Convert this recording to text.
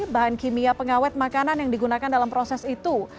bahan kimia pengawet makanan yang digunakan dalam proses itu